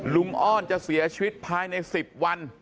ลุงอ้อนจะเสียชีวิตภายในสิบวัน